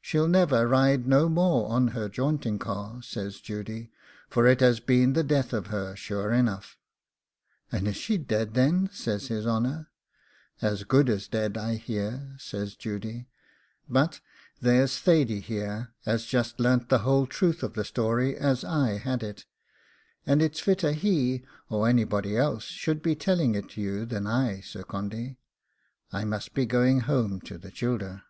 'She'll never ride no more on her jaunting car,' said Judy, 'for it has been the death of her, sure enough.' And is she dead then?' says his honour. 'As good as dead, I hear,' says Judy; 'but there's Thady here as just learnt the whole truth of the story as I had it, and it's fitter he or anybody else should be telling it you than I, Sir Condy: I must be going home to the childer.